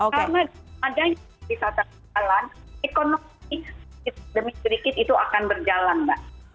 karena jika ada yang bisa berjalan ekonomi sedikit demi sedikit itu akan berjalan mbak